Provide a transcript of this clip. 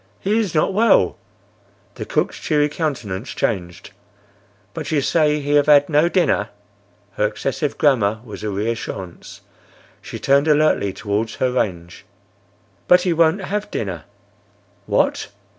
He is not well." The cook's cheery countenance changed. "But you say he have had no dinner." Her excessive grammar was a reassurance. She turned alertly towards her range. "But he won't have dinner." "What!"